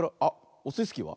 オスイスキーは？